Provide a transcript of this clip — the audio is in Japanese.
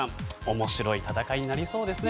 面白い戦いになりそうですね。